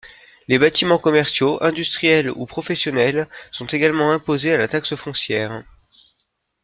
Les bâtiments commerciaux, industriels ou professionnels sont également imposés à la taxe foncière.